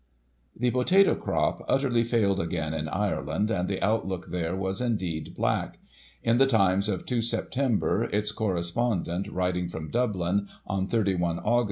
The potato crop utterly failed again in Ireland, and the outlook there was indeed black. In the Times of 2 Sep., its correspondent, writing from Dublin, on 3 1 Aug.